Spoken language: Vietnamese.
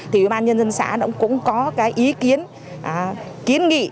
thì ưu ba nhân dân xã cũng có cái ý kiến kiến nghị